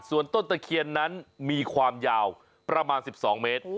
ส่วนต้นตะเคียนนั้นมีความยาวประมาณ๑๒เมตร